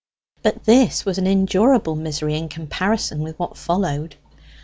But this was an endurable misery in comparison with what followed.